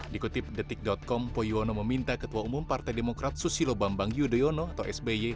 dikutip detik com poyono meminta ketua umum partai demokrat susilo bambang yudhoyono atau sby